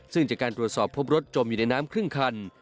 ซึ่งจากการตรวจสอบพบรถจมอยู่ในน้ำครึ่งคัน